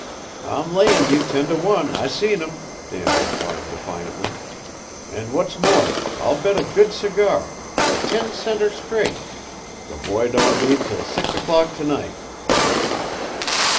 "I'm layin' you ten to one I seen him," Dan replied defiantly, "an' what's more, I'll bet a good cigar a ten center straight the boy don't leave till six o'clock to night."